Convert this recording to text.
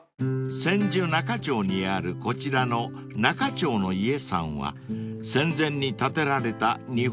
［千住仲町にあるこちらの仲町の家さんは戦前に建てられた日本家屋］